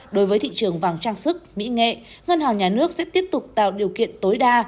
đối với thị trường vàng trang sức mỹ nghệ ngân hàng nhà nước sẽ tiếp tục tạo điều kiện tối đa